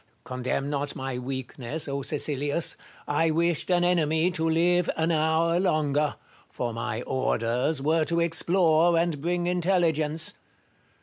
Condemn not my weakness, O Cfecilius ! I wished an enemy to live an hour longer ; for my orders were to explore and bring intelligence.